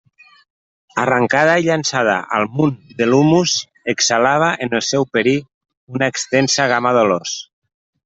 Arrancada i llançada al munt de l'humus, exhalava en el seu perir una extensa gamma d'olors.